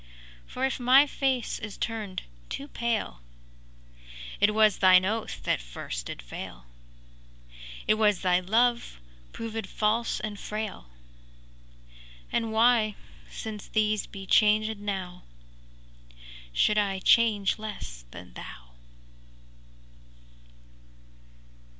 For if my face is turned too pale, It was thine oath that first did fail, It was thy love proved false and frail, And why, since these be changed enow, Should I change less than thou.